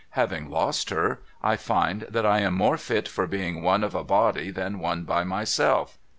Having lost her, I find that I am more fit for being one of a body than one by myself.